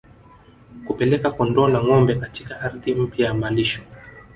Kupeleka kondoo na ngombe katika ardhi mpya ya malisho